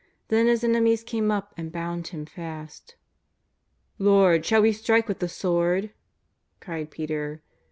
Then His enemies came up and bound Him fast. " Lord, shall we strike witli the sword ?" cried Peter.